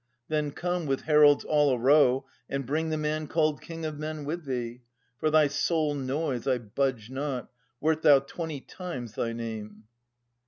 Then come With heralds all arow, and bring the man Called king of men with thee ! For thy sole noise I budge not, wert thou twenty times thy name.